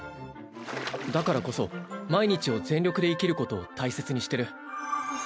だからこそ毎日を全力で生きることを大切にしてる。